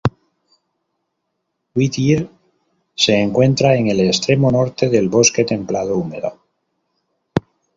Whittier se encuentra en el extremo norte del bosque templado húmedo.